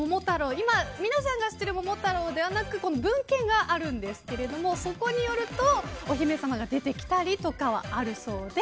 今、皆さんが知っている「ももたろう」ではなく文献があるんですけれどもそこによるとお姫様が出てきたりとかはあるそうで。